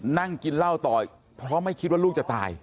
นั่งกินเหล้าต่อเพราะไม่คิดว่าลูกจะตาย